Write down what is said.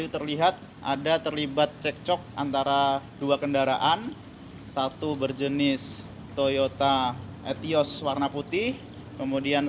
terlihat ada terlibat cek cok antara dua kendaraan satu berjenis toyota etios warna putih kemudian